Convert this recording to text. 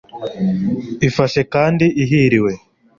ifashe kandi ihiriwe